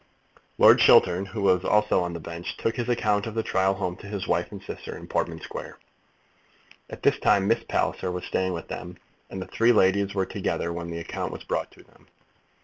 Lord Chiltern, who was also on the bench, took his account of the trial home to his wife and sister in Portman Square. At this time Miss Palliser was staying with them, and the three ladies were together when the account was brought to them.